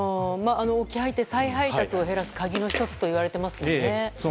置き配って、再配達を減らす鍵の１つと言われてますよね。